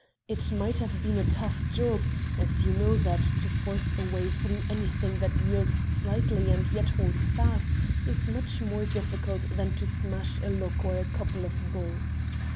It might have been a tough job, as you know that to force a way through anything that yields slightly and yet holds fast is much more difficult than to smash a lock or a couple of bolts.